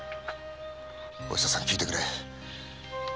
おひささん聞いてくれ。